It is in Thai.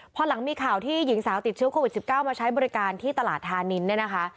พอหลังมีข่าวที่หญิงสาวติดเชื้อโควิด๑๙มาใช้บริการที่ตลาดธานินเนี่ยนะคะ